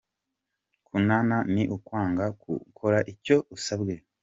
Kunana ni ukwanga gukora icyo usabwe.